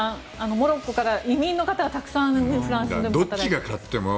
モロッコから移民の方がたくさんフランスで働いています。